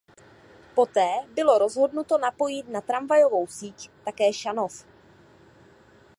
Poté bylo rozhodnuto napojit na tramvajovou síť také Šanov.